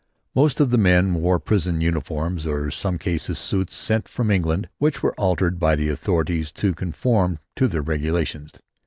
Most of the men wore prison uniforms or in some cases, suits sent from England which were altered by the authorities to conform to their regulations.